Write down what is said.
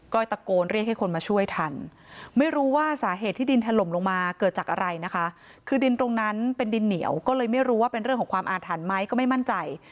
ก็ตะโกนเรียกให้คนมาช่วยทันไม่รู้ว่าสาเหตุที่ดินถล่มลงมาเกิดจากอะไรนะคะคือดินตรงนั้นเป็นดินเหนียวก็เลยไม่รู้ว่าเป็นเรื่องของความอาถรรพ์ไหมก็ไม่มั่นใจ